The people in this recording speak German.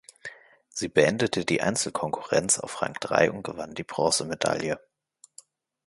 Sie beendete die Einzelkonkurrenz auf Rang drei und gewann die Bronzemedaille.